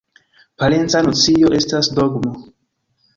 Parenca nocio estas ”dogmo”.